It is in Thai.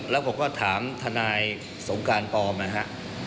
แล้วผมก็ถามทนายสงการปลอมนะฮะ